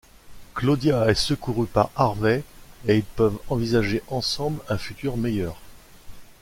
Claudia est secourue par Harvey et ils peuvent envisager ensemble un futur meilleur.